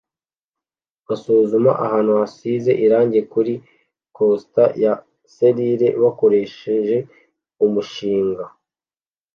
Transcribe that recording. basuzuma ahantu hasize irangi kuri cluster ya selile bakoresheje umushinga